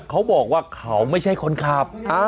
เขาบอกว่าเขาไม่ใช่คนขับ